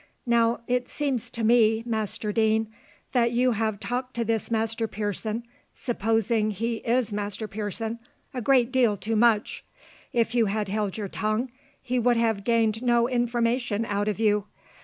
Now, it appears to me, Master Deane, that you have talked to this Master Pearson, supposing he is Master Pearson, a great deal too much. If you had held your tongue, he would have gained no information out of you.